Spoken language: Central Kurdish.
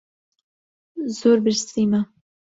زۆر برسیمە.